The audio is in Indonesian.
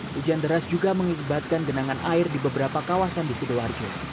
hujan deras juga mengibatkan genangan air di beberapa kawasan di sidoarjo